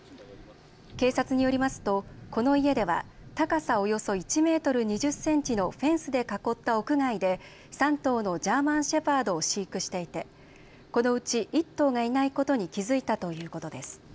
警察によりますとこの家では高さおよそ１メートル２０センチのフェンスで囲った屋外で３頭のジャーマン・シェパードを飼育していてこのうち１頭がいないことに気付いたということです。